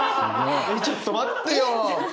ちょっと待ってよ